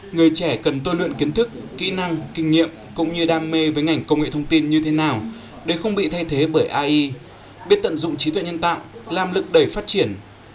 người trẻ cần tôi luyện kiến thức kỹ năng kinh nghiệm cũng như đam mê với ngành công nghệ thông tin như thế nào để không bị thay thế bởi ai biết tận dụng trí tuệ nhân tạo làm lực đẩy phát triển